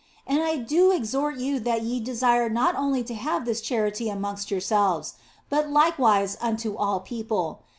And I do exhort you that ye desire not only to have this charity amongst yourselves, but likewise unto all people.